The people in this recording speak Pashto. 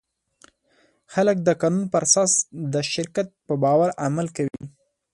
خلک د قانون پر اساس د شرکت په باور عمل کوي.